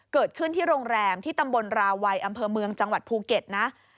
เกิดขึ้นที่โรงแรมที่ตำบลราวัยอำเภอเมืองจังหวัดภูเก็ตนะ